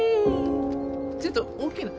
ちょっと大きいの。